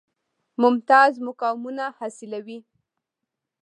ممتاز مقامونه حاصلوي.